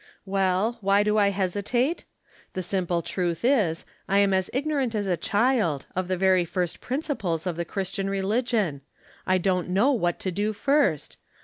" Well, why do I hesitate? The simple truth is, I am as ignorant as a child, of the very first principles of the Christian religion. I don't know what to do first.